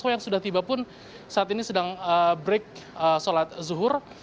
yang sudah tiba pun saat ini sedang break sholat zuhur